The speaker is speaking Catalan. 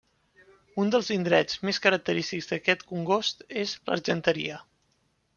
Un dels indrets més característics d'aquest congost és l'Argenteria.